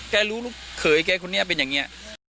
รู้ลูกเขยแกคนนี้เป็นอย่างนี้